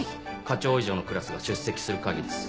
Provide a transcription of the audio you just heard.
課長以上のクラスが出席する会議です